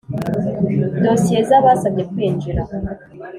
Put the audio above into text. Dosiye z’ abasabye kwinjira .